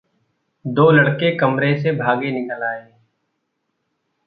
दो लड़के कमरे से भागे निकल आए।